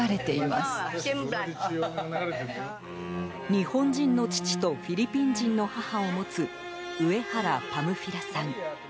日本人の父とフィリピン人の母を持つウエハラ・パムフィラさん。